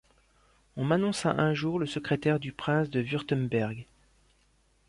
On m'annonça un jour le secrétaire du prince de Wurtemberg.